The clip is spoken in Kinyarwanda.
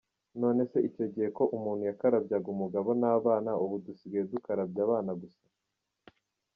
Nonese icyo gihe ko umuntu yakarabyaga umugabo n’abana, ubu dusigaye dukarabya abana gusa.